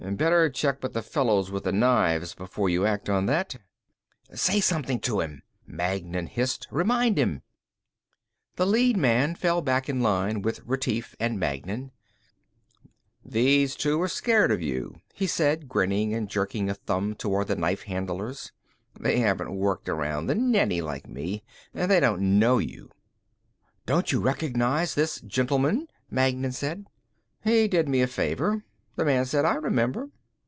"Better check with the fellows with the knives before you act on that." "Say something to him," Magnan hissed, "Remind him." The lead man fell back in line with Retief and Magnan. "These two are scared of you," he said, grinning and jerking a thumb toward the knife handlers. "They haven't worked around the Nenni like me; they don't know you." "Don't you recognize this gentleman?" Magnan said. "He did me a favor," the man said. "I remember."